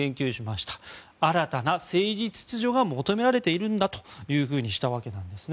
新たな政治秩序が求められているとしたわけです。